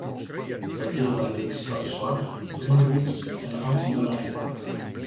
Dat jildt bygelyks foar de soarch, it ûnderwiis, en de amtnerij.